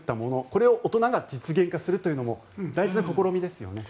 これを大人が実現化するのも大事な試みですよね。